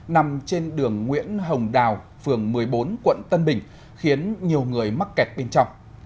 nằm trên đường nguyễn hồng đào phường một mươi bốn quận tân bình khiến nhiều người mắc kẹt bên trong